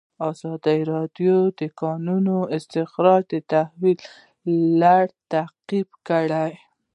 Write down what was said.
ازادي راډیو د د کانونو استخراج د تحول لړۍ تعقیب کړې.